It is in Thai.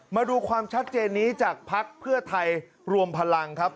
มาดูความชัดเจนนี้จากภักดิ์เพื่อไทยรวมพลังครับ